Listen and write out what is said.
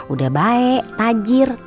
udah baik tajir